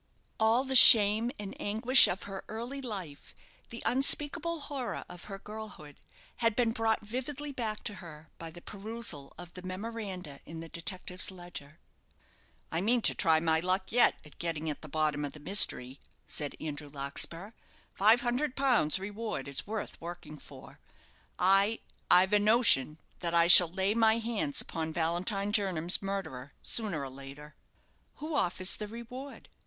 All the shame and anguish of her early life, the unspeakable horror of her girlhood, had been brought vividly back to her by the perusal of the memoranda in the detective's ledger. "I mean to try my luck yet at getting at the bottom of the mystery," said Andrew Larkspur. "Five hundred pounds reward is worth working for. I I've a notion that I shall lay my hands upon Valentine Jernam's murderer sooner or later." "Who offers the reward?"